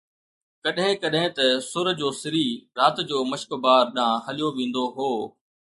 ڪڏهن ڪڏهن ته سُر جو سري رات جو مشڪبار ڏانهن هليو ويندو هو